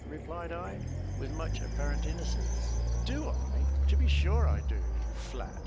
replied I, with much apparent innocence. "Do I? to be sure I do, you flat.